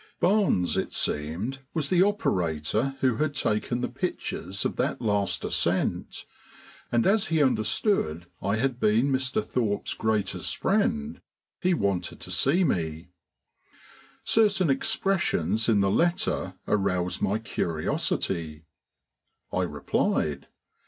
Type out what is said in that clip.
Barnes, it seemed, was the operator who had taken the pictures of that last ascent, and as he understood I had been Mr. Thorpe's greatest friend, he wanted to see me. Certain expressions in the letter aroused my curiosity. I replied.